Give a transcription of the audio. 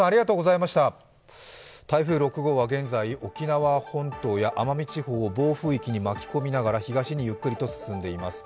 台風６号は現在、沖縄本島や奄美を暴風域に巻き込みながら東にゆっくりと進んでいます。